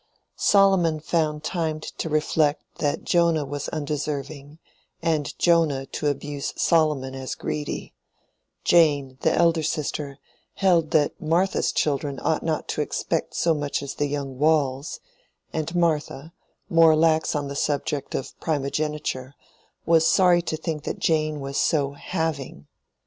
Solomon found time to reflect that Jonah was undeserving, and Jonah to abuse Solomon as greedy; Jane, the elder sister, held that Martha's children ought not to expect so much as the young Waules; and Martha, more lax on the subject of primogeniture, was sorry to think that Jane was so "having."